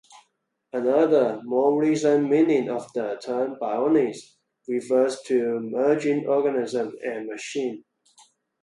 Another, more recent meaning of the term bionics refers to merging organism and machine.